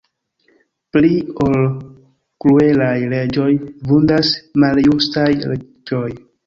Pli ol kruelaj reĝoj, vundas maljustaj leĝoj.